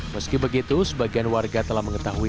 meski begitu sebagian warga telah mengetahui